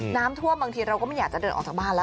บางทีเราก็ไม่อยากจะเดินออกจากบ้านแล้ว